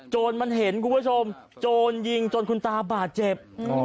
จนมันเห็นคุณผู้ชมโจรยิงจนคุณตาบาดเจ็บ